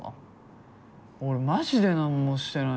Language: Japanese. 俺マジで何もしてないのに。